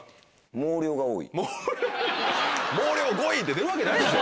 毛量毛量５位って出るわけないでしょ。